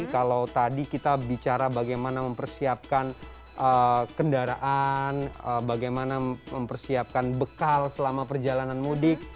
kalau tadi kita bicara bagaimana mempersiapkan kendaraan bagaimana mempersiapkan bekal selama perjalanan mudik